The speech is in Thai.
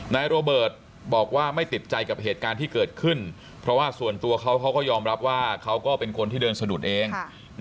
โรเบิร์ตบอกว่าไม่ติดใจกับเหตุการณ์ที่เกิดขึ้นเพราะว่าส่วนตัวเขาเขาก็ยอมรับว่าเขาก็เป็นคนที่เดินสะดุดเอง